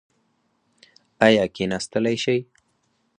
ایا کیناستلی شئ؟